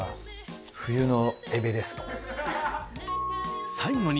冬のエベレスト。